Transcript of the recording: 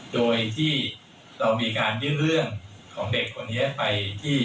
โดยที่เรามีการยื่นเรื่องของเด็กคนนี้ไปที่